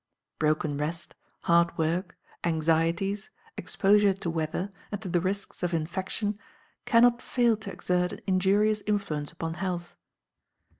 Broken rest, hard work, anxieties, exposure to weather and to the risks of infection can not fail to exert an injurious influence upon health.